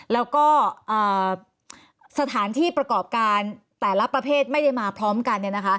แล้วก็สถานที่ประกอบการแต่ละประเภทไม่ได้มาพร้อมกัน